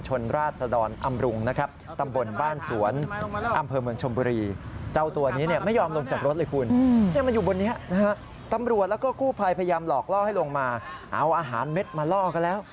หลอกล่อให้ลงมาเอาอาหารเม็ดมาล่อกันแล้ว